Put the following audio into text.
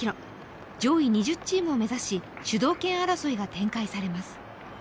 上位２０チームを目指し主導権争いが展開されます。